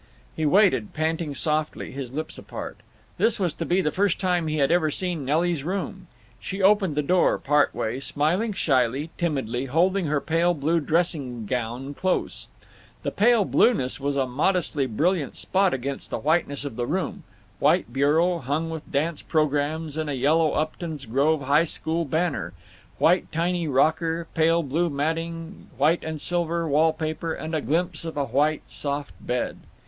He waited, panting softly, his lips apart. This was to be the first time he had ever seen Nelly's room. She opened the door part way, smiling shyly, timidly, holding her pale blue dressing gown close. The pale blueness was a modestly brilliant spot against the whiteness of the room—white bureau, hung with dance programs and a yellow Upton's Grove High School banner, white tiny rocker, pale yellow matting, white and silver wall paper, and a glimpse of a white soft bed.